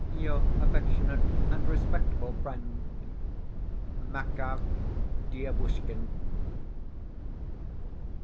Your affectionate and respectful friend, MAKAR DIEVUSHKIN.